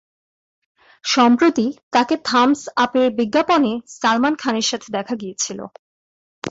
সম্প্রতি তাকে থামস-আপের বিজ্ঞাপনে সালমান খানের সাথে দেখা গিয়েছিল।